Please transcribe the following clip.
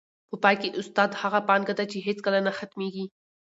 په پای کي، استاد هغه پانګه ده چي هیڅکله نه ختمېږي.